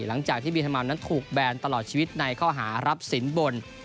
หลังจากที่บีฮามัมนั้นถูกแบนตลอดชีวิตในข้อหารับสินบน